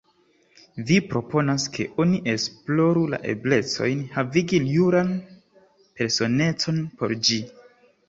Vi proponas, ke oni esploru la eblecojn havigi juran personecon por ĝi.